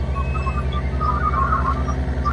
অনেক কড়া কথা বলে ফেলেছি।